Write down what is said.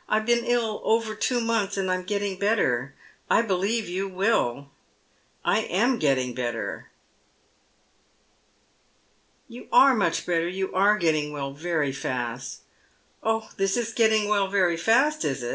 " I've been ill over two months, and I'm getting better — I believe you wiU. I am getting better." " You are much better — you are getting well very fast." •Oh, this is getting well very fast, is it?